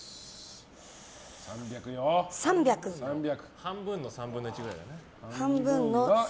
半分の３分の１くらい。